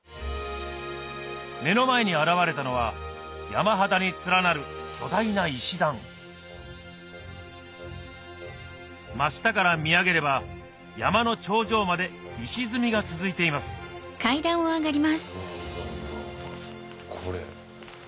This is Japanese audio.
目の前に現れたのは山肌に連なる巨大な石段真下から見上げれば山の頂上まで石積みが続いていますこれ。